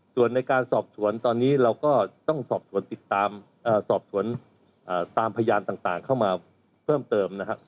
ส่วนในการสอบสวนตอนนี้เราก็ต้องสอบสวนติดตามสอบสวนตามพยานต่างเข้ามาเพิ่มเติมนะครับ